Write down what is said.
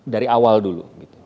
dari awal dulu